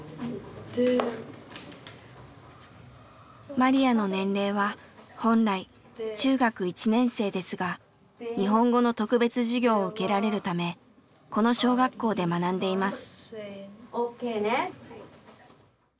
マリヤの年齢は本来中学１年生ですが日本語の特別授業を受けられるためこの小学校で学んでいます。